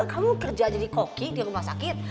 kamu kerja jadi koki di rumah sakit